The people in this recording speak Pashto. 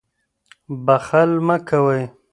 بخل مه کوئ.